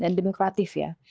dan demokratif ya